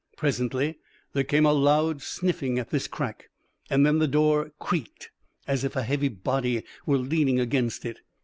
Presently there came a loud sniffing at this crack, and then the door creaked, as if a heavy body were leaning against it.